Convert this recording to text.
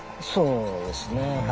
そうですねえ。